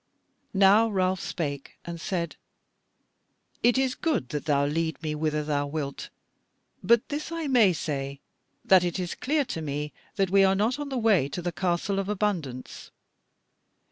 Now Ralph spake and said: "It is good that thou lead me whither thou wilt; but this I may say, that it is clear to me that we are not on the way to the Castle of Abundance."